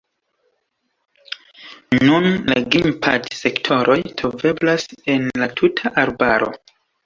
Nun, la grimpad-sektoroj troveblas en la tuta arbaro.